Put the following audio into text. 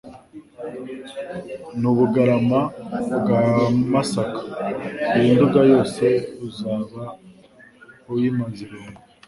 N'u Bugarama bwa Masaka, Iyi Nduga yose uzaba uyiimaze irungu.